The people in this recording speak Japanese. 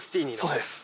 そうです。